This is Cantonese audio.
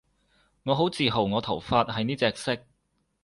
我好自豪我頭髮係呢隻色